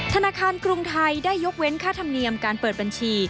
ธนาคารกรุงไทยได้ยกเว้นค่าธรรมเนียมการเปิดบัญชี